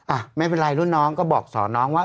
อ่ะไม่เป็นไรรุ่นน้องก็บอกสอนน้องว่า